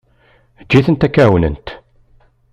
Eǧǧ-itent ak-ɛawnent.